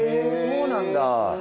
そうなんだ。